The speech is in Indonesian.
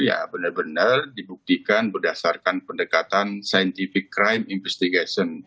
ya benar benar dibuktikan berdasarkan pendekatan scientific crime investigation